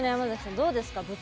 どうですか？